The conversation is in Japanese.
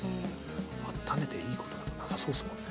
あっためていいことなさそうですもんね。